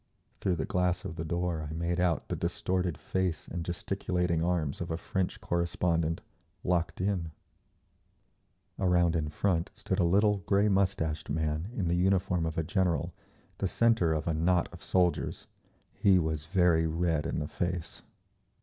Through the glass of the door I made out the distorted face and gesticulating arms of a French correspondent, locked in…. Around in front stood a little, grey moustached man in the uniform of a general, the centre of a knot of soldiers. He was very red in the face.